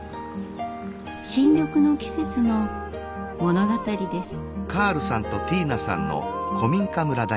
新緑の季節の物語です。